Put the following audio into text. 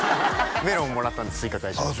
メロンもらったんでスイカ返しました